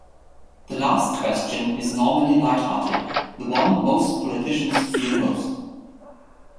The last question is normally light hearted - the one most politicians fear most.